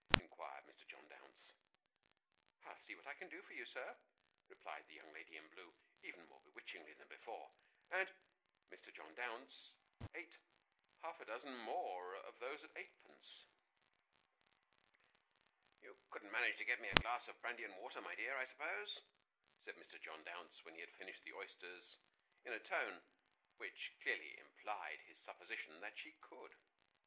" inquired Mr. John Dounce. " I'll see what I can do for you, sir," replied the young lady in blue, even more bewitchingly than before ; and Mr. John Dounce eat half a dozen more of those at eightpence. " You couldn't manage to get me a glass of brandy and water, my dear, I suppose ?" said Mr. John Dounce, when he had finished the oysters : in a tone which clearly implied his supposition that she could.